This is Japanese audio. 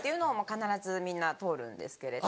必ずみんな通るんですけれど。